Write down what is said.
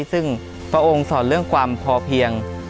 ซึ่งพระองค์สอนเรื่องความพอเพียง